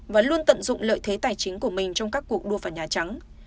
và luôn tận dụng lợi thế tài chính của mình trong các cuộc đua vào nhà trắng